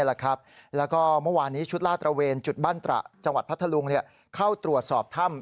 แล้วก็เมื่อวานนี้ชุดลาดตระเวนจุดบ้านตระจังหวัดพัทธลุงเข้าตรวจสอบถ้ำ